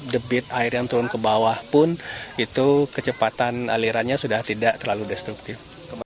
debit air yang turun ke bawah pun itu kecepatan alirannya sudah tidak terlalu destruktif